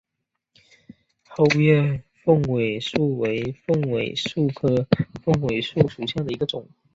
厚叶凤尾蕨为凤尾蕨科凤尾蕨属下的一个种。